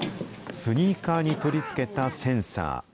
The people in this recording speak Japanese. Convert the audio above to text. スニーカーに取り付けたセンサー。